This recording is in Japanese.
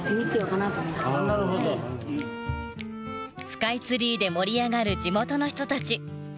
スカイツリーで盛り上がる地元の人たち。